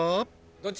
どっち？